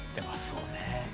そうね。